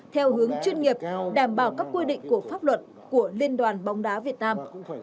theo hướng chuyên nghiệp đảm bảo các quy định của pháp luật của liên đoàn bóng đá việt nam